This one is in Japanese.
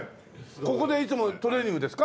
ここでいつもトレーニングですか？